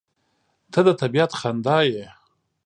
• ته د طبیعت خندا یې.